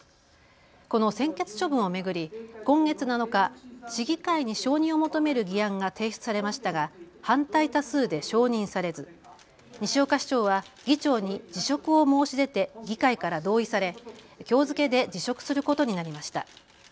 この専決処分を巡り、今月７日、市議会に承認を求める議案が提出されましたが反対多数で承認されず西岡市長は議長に辞職を申し出て議会から同意されきょう付けで辞職することになりました。